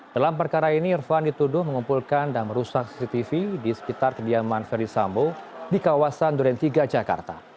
dalam perkara ini irfan dituduh mengumpulkan dan merusak cctv di sekitar kediaman ferdisambo di kawasan duren tiga jakarta